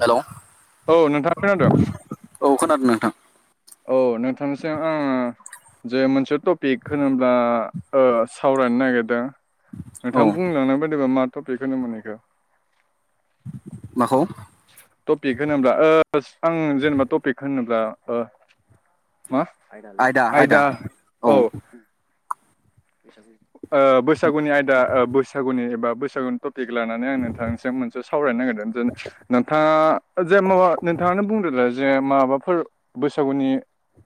Hello औ औ नोंथां खोनादों औ खोनादों नोंथां औ नोंथां जों आंङो जे मोनसे टपिक होनोब्ला सावरायनो नागिरदों औ नोंथांङा बुंनोलां बायदिबा मा थफिग होनोमोन बेखौनो माखौ टपिक होनोब्ला आं जेनेबा टपिक होनोब्ला मा आयदा औ बैसागुनि आयदा बैसागुनि एबा बैसागुनि दि लानानै आं नोंथांनिसिम मोनसे सावरायनो नागिरदों जे नोंथाङा जे माबा नोंथांङानो बुंदोलाय जे माबाफोर बैसागुनि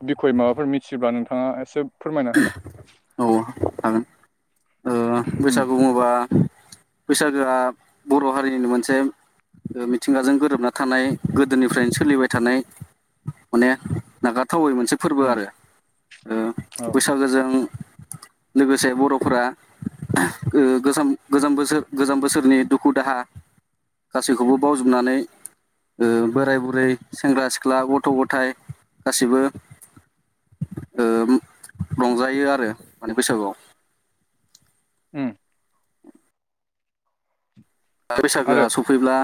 बिय माबाफोर मिथिब्ला नोंथांङा एसे फोरमायना होलााय औ हागोन ओ उम बैसागु बुंङोबा बैसागोआ बर' हारिनिनो मोनसे मिथिंगाजों गोरोबना थानाय गोदोनिफ्रायनो सोलिबाय थानाय माने नागारथावै मोनसे फोरबो उम आरो औ बैसागोजों लोगोसे बर'फ्रा गो गोज बोसोर गोजाम बोसोरनि दुखु दाहा गासैखौबो बावजोबनानै बोराय बुरै सेंग्रा सिख्ला गथ' गथाय गासिबो रंजायो आरो माने बैसागुआव [inaudible] आरो बैसागोआ सफैब्ला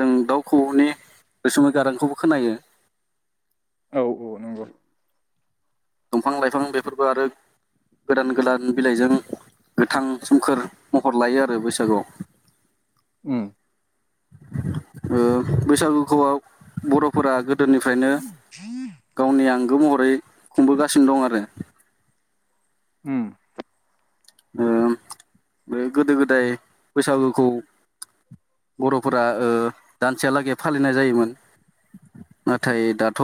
जों दाउ खौबौनि रोसुमै गारांखौबो खोनायो औ औ नंगौ दंफां लाइफां बेफोरबो आरो गोदान गोदान बिलाइजों गोथां सोमखोर महर लायो आरो बैसागुआव। उम ओ बैसागुखौ आव बर'फोरा गोदोनिफ्रायनो गावनि आंगो महरै खुंबोगासिनो दं आरो। उम ओ बे गोदो गोदाय बैसागुखौ बर'फोरा दानसेहालागै फालिनाय जायोमोन। नाथाय दाथ'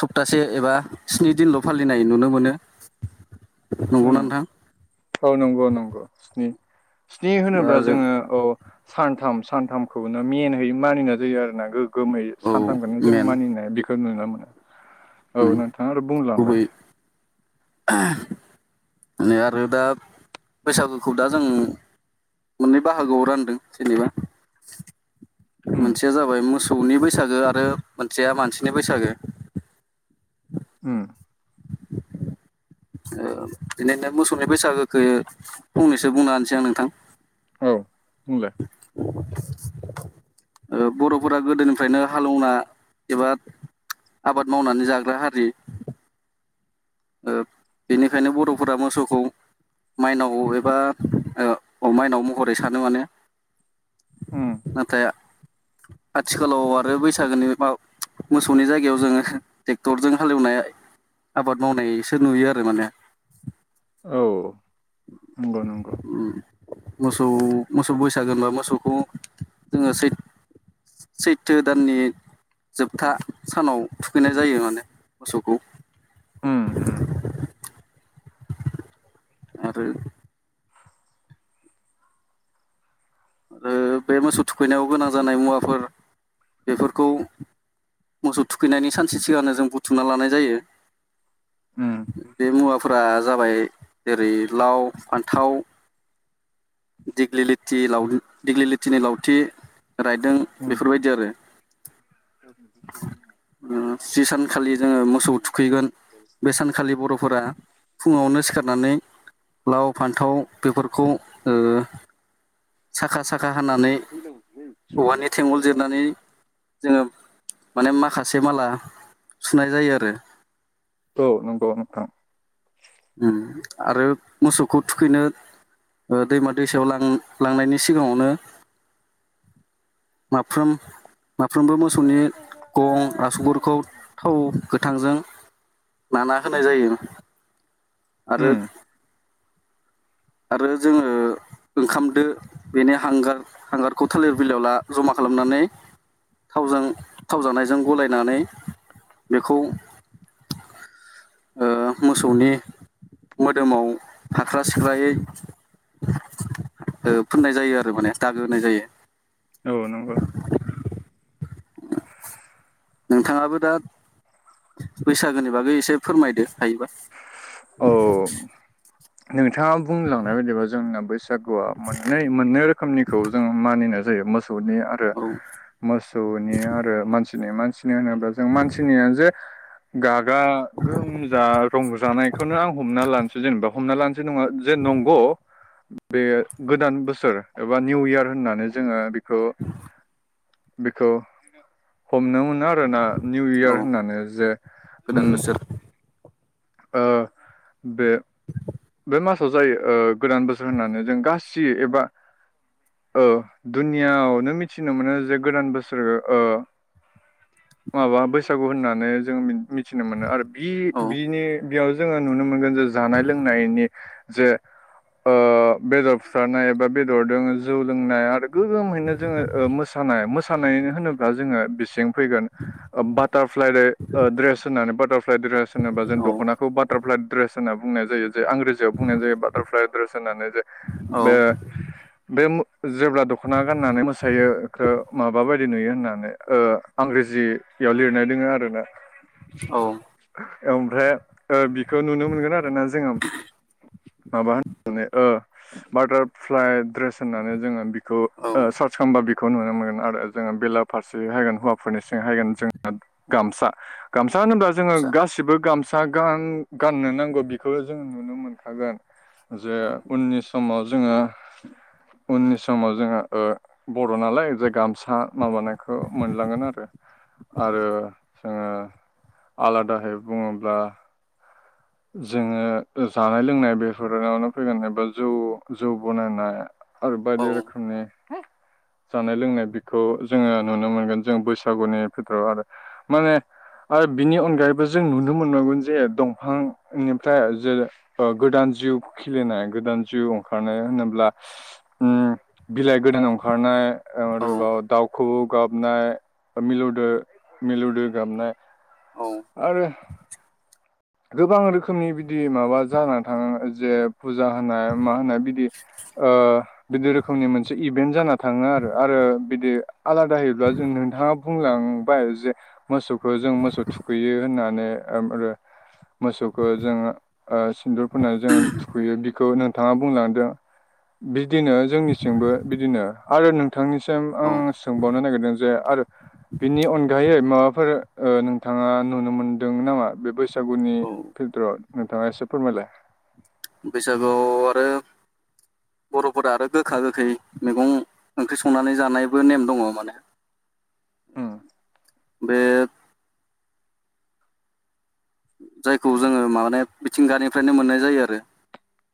सप्तासे एबा स्नि दिनल' फालिनाय नुनो मोनो नंगौ उम नोंथां। औ नंगौ नंगौ स्नि स्नि दा होनोब्ला आरो जोङो औ। सानथाम सानथामखौनो मेनलि मानिनाय जायो आरोना गोग गोमै औ सानथामखौनो जों मेन मानिनाय बेखौ नुनो मोनो। औ उम नोंथाङा आरो बुंलांलाय ओ नै आरो दा बैसागुखौ दा जों मोननै बाहागोआव रानदों जेनेबा उम मोनसेया जाबाय मोसौनि बैसागो आरो मोनसेया मानसिनि बैसागो। उ [inaudible] बिनिनो मोसौनि बैसागोखौ फंनैसो बुंना होनोसै आं नोंथां। औ बुंलाय। बर'फोरा गोदोनिफ्रायनो हालेवना एबा आबाद मावनानै जाग्रा हारि। बेनिखायनो बर'फोरा मोसौखौ। माइनाव एबा माइनाव महरै सानो माने। ह नाथाय आथिखालाव आरो बैसागोनि मा मोसौनि जायगायाव जोङो ट्रेक्टरजों हालेवनाय मावनायसो नुयो आरो माने। औ नंगौ नंगौ। मोसौ मोसौ बैसागोनबा मोसौखौ जोङो सैथ सैथो दाननि जोबथा सानाव थुखैनाय जायो माने मोसौखौ। उम उम [unintelligible] आरो आरो बे मोसौ थुखैनायाव गोनां जानाय मुवाफोर बेफोरखौ मोसौ थुखैनायनि सानसे सिगांनो जों बुथुमना लानाय जायो। उम बे मुवाफोरा जाबाय जेरै लाव फान्थाव दिगलि लिथि लाव दिग्लि लिथिनि लावथि रायदों बेफोरबायदि आरो। औ सुब जि सानखालि जोङो मोसौ थुखैगोन बे सानखालि बर'फोरा फुङावनो सिखारनानै लाव फान्थाव बेफोरखौ ओ साखा साखा हानानै औवानि थेंगल जिरनानै जोङो माने माखासे माला सुनाय जायो आरो। औ नंगौ नोंथां। ओम आरो मोसौखौ थुखैनो दैमा दैसायाव लां लांनायनि सिगाङावनो माफ्रोम माफ्रोमबो मोसौनि गं आसुगुरफोरखौ थाव गोथांजों नाना होनाय जायो आरो उम आरो जोङो ओंखामदो बेनि हांगार हांगारखौ थालिर बिलाइयाव ला जमा खालामनानै थावजों थाव जानायजों गलायनानै बेखौ मोसौनि मोदोमाव फ्रा गायै फोननाय जायो आरो माने दागो होनाय जायो औ नंगौ। नोंथाङाबो दा बैसागोनि बागै एसे फोरमायदो हायोबा औ नोंथाङा बुंलांनाय बायदिबा जोंना बैसागुआ मोननै मोननै रोखोमनि खौ जों मानिनाय जायो मोसौनि आरो औ मोसौनि आरो मानसिनि मानसिनि होनोब्ला जों मानसिनिया जे गागा गोमजा रंजानायखौनो आं हमना लानोसै जेनेबा हमना लानोसै नंङा जे नंगौ बे गोदान बोसोर एबा निउ इयार होननानै जोङो बेखौ बेखौ हमनो मोनो आरोना निउ औ इयार होननानै जे गोदान बोसोर ओ बे बे मासाव जायो गोदान बोसोर होननानै जों गासि एबा औ दुनिआवनो मिथिनो मोनो जे गोदान बोसोर माबा बैसागु होननानै जोंङो मिथिनो मोनो आरो बि औ बिनि बेयाव जोङो नुनो मोनगोन जे जानाय लोंनायनि जे बेदर फुथारनाय एबा बेदरजों जौ लोंनाय आरो गोगोमहैनो जोङो मोसानाय मोसानाय होनोब्ला जोङो बेसें फैगोन बाारफ्लाइ दड्रेस होननानै बाटारफ्लाइ दड्रेस होनोबा जों औ दख'नाखौ बाटारफ्लाइ ड्रेस होनना बुंनाय जायो जे इंराजियाव बुंनाय जायो बाटारफ्लाइ एड्रेस होननानै जे औ बे बे जेब्ला दख'ना गाननानै मोसायोखौ माबा बायदि नुयो होननानै इंरेजियाव लिरनाय दोङो आरोना। औ ओमफ्राय बिखौ नुनो मोनगोन आरो ना जोङो माबा होननानै बाटारफ्लइ द्रेस होननानै जोङो खौ औ सार्च खालामबा बे खौ नुनो मोनगोन आरो जोङो बेलाफारसे हायगोन हौवाफोरनिसिं हायगोन जोंना गामसा गामसा होनोबा जोङो आतसा गासिबो गामसा ग गाननो नांगौ बेखौ जों नुनो मोनखागोन जे औ उननि समाव जोङो उननि समाव जोंहा बर' नालाय जे गामसा माबानायखौ मोनलांगोन आरो आरो जोङो आलादाहै बुङोब्ला जोङो जानाय लोंनाय बेफोरावनो फैगोन एबा जौ जौ बनायनाय आरो औ बायदि रोखोमनि जानाय लोंनाय बेखौ जोङो नुनो मोनगोन जों बैसागुनि बिथोथोराव आरो माने आरो बिनि अनगायैबो जों नुनो मोननांगोन जे दंफां निफ्राय जै गोदान जिउ खिलिनाय गोदान जिउ ओंखारनाय होनोब्ला उम उम बिलाइ गोदानाव ओंखारनाय औ आरोबाव दाउखौ गाबनाय मिलौदो मिलौदो गाबनाय। औ। आरो गोबां रोखोमनि बिदि माबा जाना थाङो जे फुजा होनाय मा होनो बिदि ओ बिदि रोखोमनि मोनसे इभेन्ट जाना थाङो आरो आरो बिदि आलादाहायैब्ला जों नोंथाङा बुंलांबाय जे मोसौखो जों मोसौ थुखैयो होननानै ओम आरो मोसौखो जों ओ सिन्दुर फोननानै जोङो थुखैयो बिखौनो बिथाङा बुंलांदों बिदिनो जोंनिथिंबो बिदिनो आरो नोंथांनिसिम औ आं सोंबावनो नागिरदों जे आरो बिनि अनगायै माबाफोर ओ नोंथाङा नुनो मोनदों नामा बेबायस सागुननि औ फिल्टाराव नोंथाङा एसे फोरमायलाय बैसागुआव आरो बर'फोरा आरो गोखा गोखै मैगं ओंख्रि संनानै जानायबो नेम दङ' माने उम बे जायखौ जोङो माने मिथिंगानिफ्रायनो मोननाय जायो आरो।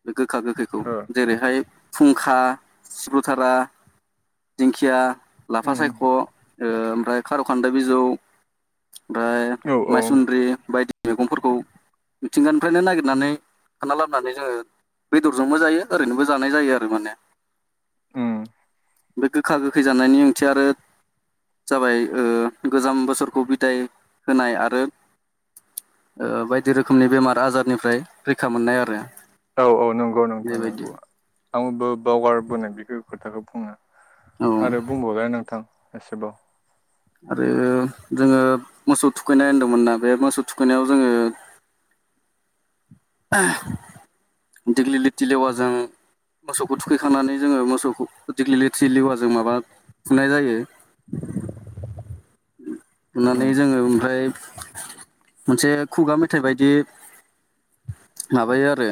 बे गोखा गोखैखौ जेरैहाय फुंखा सिब्रुथारा, दिंखिया, लाफा सायख' ओ ओमफ्राय खार'खान्दाय बिजौ ओमफ्राय ओ उम औ औ माइसुन्द्रि बायदि मैगंफोरखौ मिथिंगानिफ्रायनो नागिरनानै खाना लाबोनानै जोङो बेदरजोंबो जायो ओरैनोबो जानाय जायो आरो माने [inaudible] बे गोखा गोखै जानायनि ओंथि आरो जाबाय ओ गोजाम बोसोरखौ बिदाय होनाय आरो ओ बायदि रोखोमनि बेमार आजारनिफ्राय रैखा मोननाय आरो औ औ नोंगौ नोंथां बेबायदि नोंगौ आंबो बावगारबोनाय बेखौ खोथाखौ बुंनो। औ आरो बुंबावलाय नोंथां एसेबाव। आरो जोङो मोसौ थुखैनाय होनदोंमोन ना बे मोसौ थुखैनायाव जोङो दिग्लि लिथि लेवाजों मोसौखौ थुखैखांनानै जोङो मोसौखौ दिल्गि लिथि लेवाजों माबा फुनाय जायो। बुनानै उम जोङो ओमफ्राय मोनसे खुगा मेथाइ बायदि माबायो आरो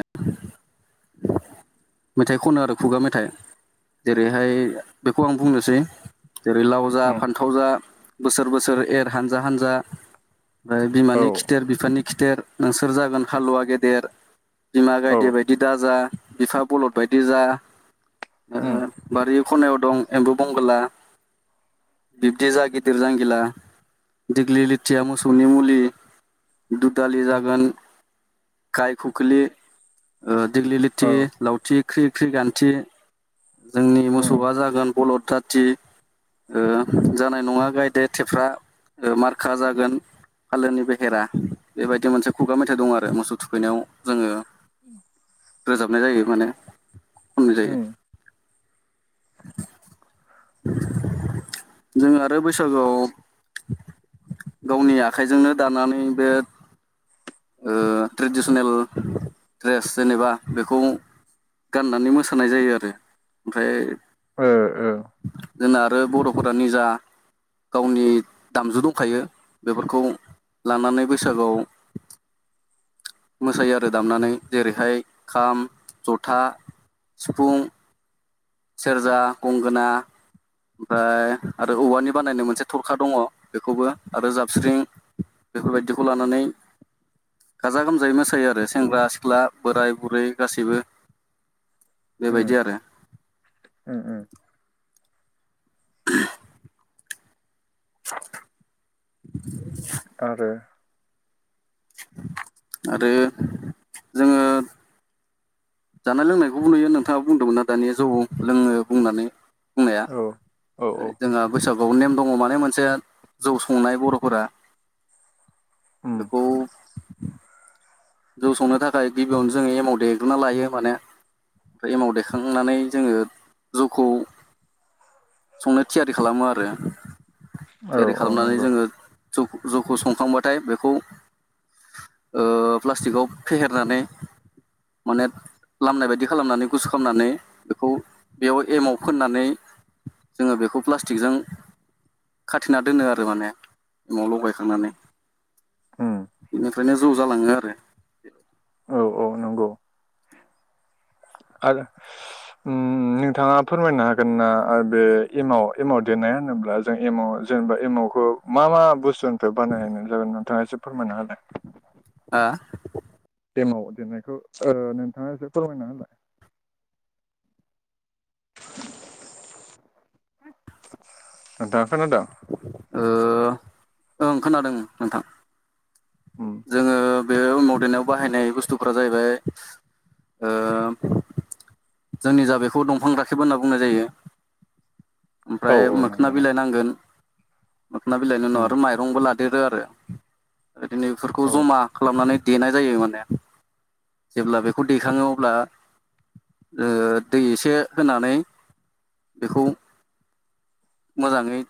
मेथाइ खनो आरो खुगा मेथाइ जेरैहाय बेखौ आं बुंनोसै जेरै लाव जा उम फान्थाव जा बोसोर बोसोर एर हानजा हानजा ओमफ्राय औ बिमानि खिथेर बिफानि खिथेर नोंसोर जागोन हालुवा गेदेर बिमा औ गायदे बायद दि दाजा बिफा बलद बायदि जा उम ओ बारि खनायाव दं एम्बु बंगोला बिब्दि जा गिदिर जांगिला दिग्लि लिथिया मोसौनि मुलि दुदालि जागोन गाय खुखिलि ओ दिग्लि लिथि औ लावथि ख्रि ख्रि गान्थि। जोंनि उम मोसौआ जागोन बलद जाथि। ओ जानाय नङा गायदे थेफ्रा ओ मारखा जागोन। फालोनि बेहेरा बेबायदि मोनसे खुगा मेथाइ दं आरो मोसौ थुखैनायाव जोङो [inaudible] रोजाबनाय जायो माने खननाय जायो उम। [inaudible] जों आरो बैसागुआव गावनि आखाइजोंनो दानानै बे ओ ट्रेडिसनेल ड्रेस जेनेबा बेखौ गाननानै मोसानाय जायो आरो ओमफ्राय ओ ओ जोंना आरो बर'फोरा निजा गावनि दामजु दंखायो बेफोरखौ लानानै बैसागोआव मोसायो आरो दामनानै जेरैहाय खाम, जथा, सिफुं सेरजा, गंगोना ओमफ्राय आरो औवानि बानायनाय मोनसे थरखा दङ बेखौबो आरो जाबस्रिं बेफोरबायदिखौ लानानै गाजा गोमजायै मोसायो आरो सेंग्रा सिख्ला बोराय बुरै गासैबो ओ बेबायदि आरो ओ उम [inaudible] आरो आरो जोङो जानाय लोंनायखौबो नुयो नोंथाङाबो बुंदोंमोन ना दानिया जौ लोङो बुंनानै बुंनाया औ औ औ जोंहा बैसागुआव नेम दङ माने मोनसे जौ संनाय बर'फोरा। उम बेखौ जौ संनो थाखाय गिबियावनो जोङो एमावट देग्रोना लायो माने ओमफ्राय एमाव दैेखांनानै जोङो जौखौ संनो थियारि खालामो आरो औ थियारि औ खालामनानै नंगौ जोङो जा जौखौ संखांबाथाय बेखौ ओ प्लास्टिकआव फेहेरनानै माने खामनाय बायदि खालामनानै गुसु खालामनानै बेखौ बेयाव एमाव फोननानै जोङो बेखौ प्लास्टिकजों खाथिना दोनो आरो माने एमाव लगाय थांनानै उम बेनिफ्रायनो ज' जालाङो आरो औ औ नंगौ। आर ओम नोंथाङा फोरमायनो हागोन ना आरो बे एमाव एमाव देरनाय होनोब्ला। जों एमाव जेनेबा एमवखौ मा मा बुस्थुनिफ्राय बानायनाय जागोन नोंथाङा एसे फोरमायना हालाय। [inaudible] गेमाव दोननायखौ ओ नोंथाङा एसे फोरमायना होनलाय। नोंथाङा खोनादों? ओं खोनादों नोंथां। ओम जोङो बे मदनायाव बाहायनाय बुस्थुफ्रा जाहैबाय ओ जोंनि जा बेखौ दंफां राखेबबो होनना बुंनाय जायो। औ ओमफ्राय औ मोखोना नंगौ नंगौ बिलाइ नांगोन। मोखोनना बिलाइनि उनाव उम आरो माइरंबो लादेरो आरो ओदिनो बेफोरखौ औ जमा खालामनानै देनाय जायो माने जेब्ला बेखौ देखाङो अब्ला ओ दै एसे होनानै बेखौ मोजाङै